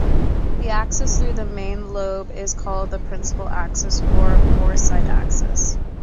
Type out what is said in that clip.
The axis through the main lobe is called the "principal axis" or "boresight axis".